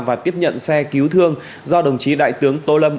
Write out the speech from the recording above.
và tiếp nhận xe cứu thương do đồng chí đại tướng tô lâm